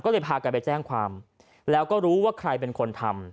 ก็เลยพากันไปแจ้งความแล้วก็รู้ว่าใครเป็นคนทำ